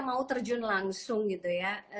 mau terjun langsung gitu ya